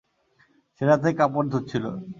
সে রাতে কাপড় ধুচ্ছিল।